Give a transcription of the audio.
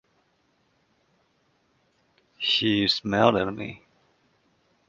She smiled at me.